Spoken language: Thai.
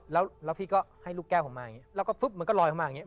แล้วพี่ก็ให้ลูกแก้วผมมาอย่างนี้แล้วก็ฟึ๊บมันก็ลอยเข้ามาอย่างนี้